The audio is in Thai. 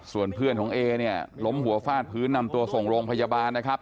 ส่วนเพื่อนของเอเนี่ยล้มหัวฟาดพื้นนำตัวส่งโรงพยาบาลนะครับ